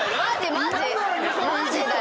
マジだよ